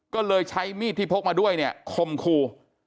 ก็เลยใช้มีดที่พกมาด้วยเนี่ยคมคู่